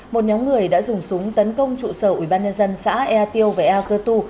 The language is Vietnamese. một nhóm người đã dùng súng tấn công trụ sở ủy ban nhân dân xã ea tiêu và ea cơ tù